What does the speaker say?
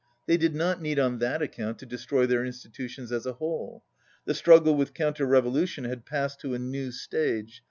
They did not need on that account to destroy their institu tions as a whole. The struggle with counter revolution had passed to a new stage.